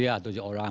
iya tujuh orang